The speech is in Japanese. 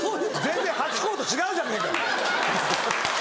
全然ハチ公と違うじゃねえか。